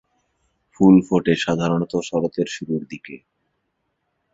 ফুল ফোটে সাধারণত শরতের শুরুর দিকে।